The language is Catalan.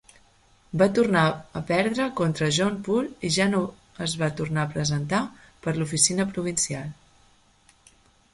Va tornar a perdre contra John Poole i ja no es va a tornar a presentar per a l'oficina provincial.